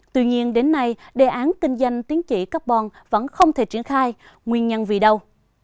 tuy nhiên đến nay đề án kinh doanh tính trị carbon vẫn không thể triển khai nguyên nhân vì đâu